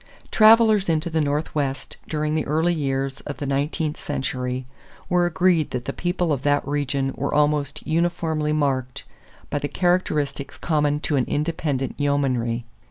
= Travelers into the Northwest during the early years of the nineteenth century were agreed that the people of that region were almost uniformly marked by the characteristics common to an independent yeomanry.